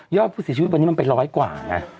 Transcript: ยอดภูติชีวิตวันนี้มันไป๑๐๐กว่า